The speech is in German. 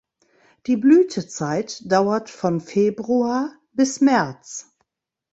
Die Blütezeit dauert von Februar bis März.